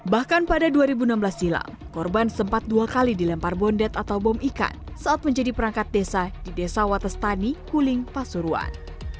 bahkan pada dua ribu enam belas silam korban sempat dua kali dilempar bondet atau bom ikan saat menjadi perangkat desa di desa watestani kuling pasuruan